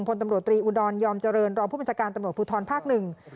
พลตำรวจตรีอุดรยอมเจริญรองผู้บัญชาการตำรวจภูทรภาคหนึ่ง